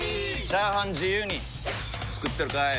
チャーハン自由に作ってるかい！？